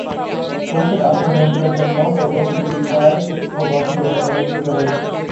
কোষের আচরণ নিয়ন্ত্রণের জন্য প্রকৌশলবিদ্যায় সূক্ষ্ম গঠন নিয়ন্ত্রণের ভূমিকা রয়েছে।